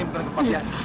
ini bukan tempat biasa